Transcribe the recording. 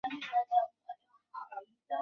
西格弗里德一世。